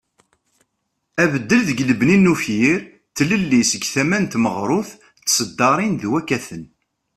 Abeddel deg lbeni n ufyir ,d tlelli seg tama n tmeɣrut d tesddarin d wakaten.